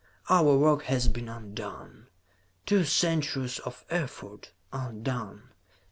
Our work has been undone. Two centuries of effort undone.